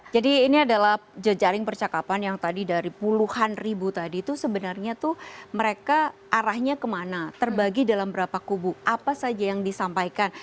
jadi ini adalah jaring percakapan yang tadi dari puluhan ribu tadi itu sebenarnya tuh mereka arahnya kemana terbagi dalam berapa kubu apa saja yang disampaikan